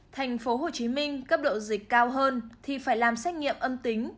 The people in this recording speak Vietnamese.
thành phố hồ chí minh cấp độ dịch cao hơn thì phải làm xét nghiệm âm tính